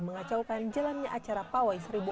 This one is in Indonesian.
mengacaukan jalan acara pawai seribu